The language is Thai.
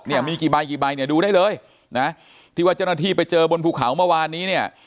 เนี่ยมีกี่ใบกี่ใบเนี่ยดูได้เลยนะที่ว่าเจ้าหน้าที่ไปเจอบนภูเขาเมื่อวานนี้เนี่ย